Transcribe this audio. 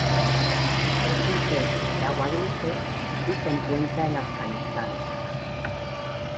Es un pez de agua dulce y se encuentra en Afganistán.